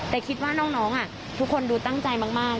แต่คิดว่าน้องทุกคนดูตั้งใจมาก